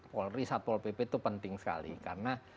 polri satpol pp itu penting sekali karena